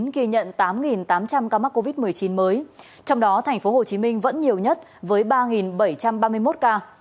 ghi nhận tám tám trăm linh ca mắc covid một mươi chín mới trong đó tp hcm vẫn nhiều nhất với ba bảy trăm ba mươi một ca